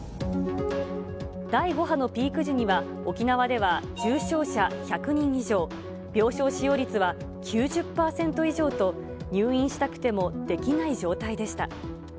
第５波のピーク時には、沖縄では重症者１００人以上、病床使用率は９０％以上と、入院したくてもできない状態でした。